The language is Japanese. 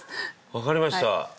わかりました。